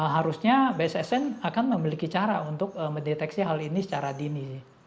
harusnya bssn akan memiliki cara untuk mendeteksi hal ini secara dini